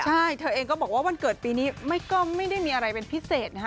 ใช่เธอเองก็บอกว่าวันเกิดปีนี้ก็ไม่ได้มีอะไรเป็นพิเศษนะฮะ